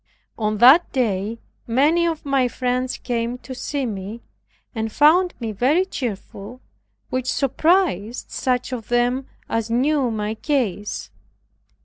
On that day many of my friends came to see me, and found me very cheerful, which surprised such of them as knew my case.